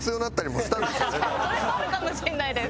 それもあるかもしれないです。